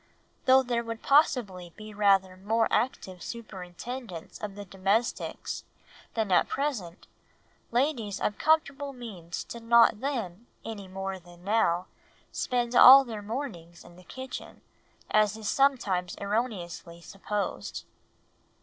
Though there would possibly be rather more active superintendence of the domestics than at present, ladies of comfortable means did not then, any more than now, spend all their mornings in the kitchen, as is sometimes erroneously supposed.